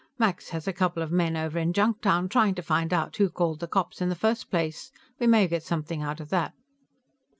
Max has a couple of men over in Junktown, trying to find out who called the cops in the first place. We may get something out of that."